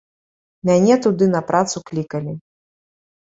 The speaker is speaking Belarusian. Мяне туды на працу клікалі.